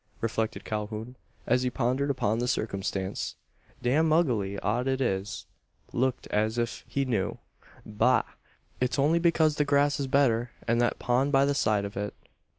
reflected Calhoun, as he pondered upon the circumstance. "Damned ugly odd it is! Looks as if he knew . Bah! It's only because the grass is better, and that pond by the side of it.